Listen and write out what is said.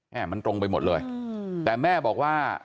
มันตรงไปหมดเลยแต่แม่บอกว่า